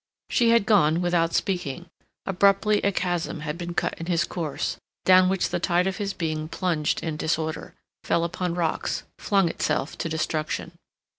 She had gone without speaking; abruptly a chasm had been cut in his course, down which the tide of his being plunged in disorder; fell upon rocks; flung itself to destruction.